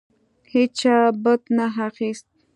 هیچا بت نه اخیست.